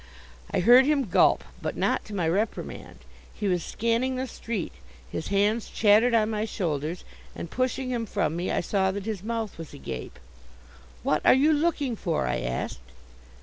I heard him gulp, but not to my reprimand. He was scanning the street. His hands chattered on my shoulders, and, pushing him from me, I saw that his mouth was agape. "What are you looking for?" I asked.